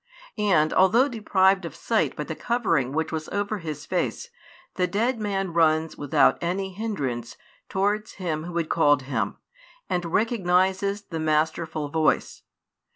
And although deprived of sight by the covering which was over his face, the dead man runs without any hindrance towards Him Who had called him, and recognises the masterful voice.